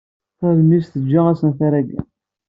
Taṛmist teǧǧa asenfar-agi.